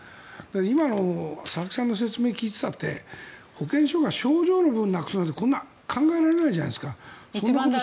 今の佐々木さんの説明を聞いていたって保健所が症状の分をなくすなんて考えられないじゃないですか。